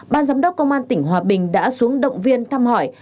ban giám đốc công an tỉnh hòa bình đã xuống động viên thăm hỏi